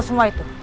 kau semua itu